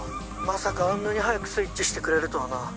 「まさかあんなに早くスイッチしてくれるとはな」